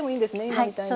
今みたいに。